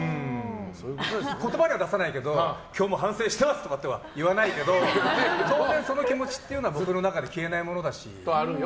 言葉には出さないけど今日も反省してますとか言わないけど当然、その気持ちっていうのは僕の中で消えないものだし。